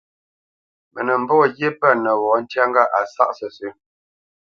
Mə nə́ mbɔ́ ghyé pə̂ nəwɔ̌ ntyá ŋgâʼ a sáʼ sə́sə̄.